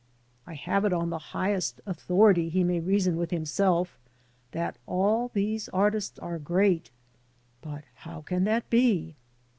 " I have it on the highest authority,'' he may reason with himself, "that all these artists are great; but how can that be?"